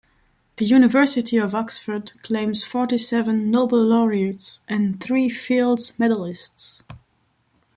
The University of Oxford claims forty-seven Nobel Laureates and three Fields Medallists.